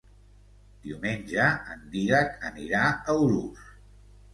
Diumenge en Dídac anirà a Urús.